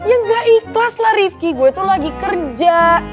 ya gak ikhlas lah rifki gue itu lagi kerja